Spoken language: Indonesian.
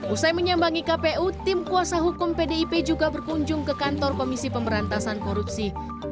usai menyambangi kpu tim kuasa hukum pdip juga berkunjung ke kantor komisi pemberantasan korupsi